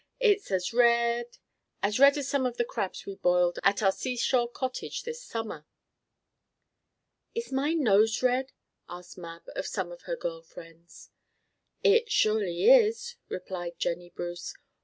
"It's as red as red as some of the crabs we boiled at our seashore cottage this summer." "Is my nose red?" asked Mab of some of her girl friends. "It surely is!" replied Jennie Bruce.